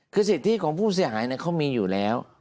คือสิทธิของผู้เสียหายเขามีอยู่แล้ว